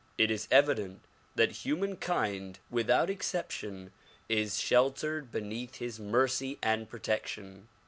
It is evident that humankind without exception is sheltered beneath his mercy and protection.